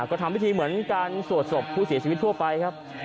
ก็ทำพิธีเหมือนการสวดศพผู้เสียชีวิตทั่วไปครับ